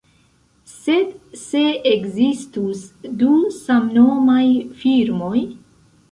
Sed, se ekzistus du samnomaj firmoj?